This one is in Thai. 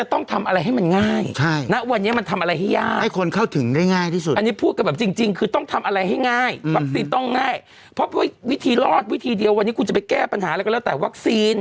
ต้องให้พอที่วิธีรอดวิธีเดียววันนี้คุณจะไปแก้ปัญหาแล้วกันแล้วแต่วัคซีน